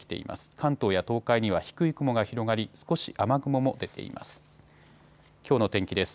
関東や東海には低い雲が広がり少し雨雲も出ています。